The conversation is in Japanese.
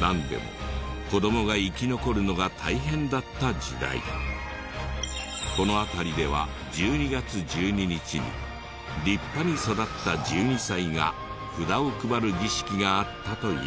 なんでも子どもが生き残るのが大変だった時代この辺りでは１２月１２日に立派に育った１２歳が札を配る儀式があったという。